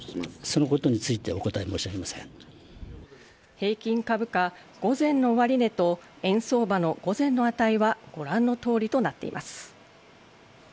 平均株価午前の終値と円相場の午前の値はご覧のとおりとなっています。